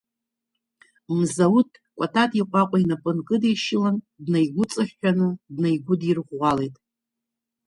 Мзауҭ, Кәатат иҟәаҟәа инапы нкыдишьылан, днаигәыҵаҳәҳәаны днаигәыдирӷәӷәалеит…